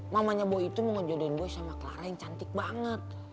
mamanya boy itu mau ngejodohin gue sama clara yang cantik banget